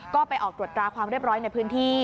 ก็ไปออกตรวจตราความเรียบร้อยในพื้นที่